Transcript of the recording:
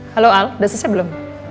halo al udah selesai belum